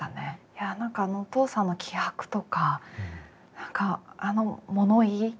いや何かあのお父さんの気迫とかあの物言い。